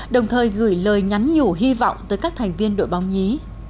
đồng thời gửi lời nhắn nhủ hy vọng tới các thành viên đội bóng nhí